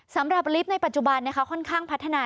สำหรับลิฟต์ในปัจจุบันนะคะค่อนข้างพัฒนา